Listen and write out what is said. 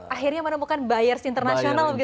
akhirnya menemukan buyers internasional gitu ya pak